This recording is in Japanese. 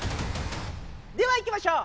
ではいきましょう！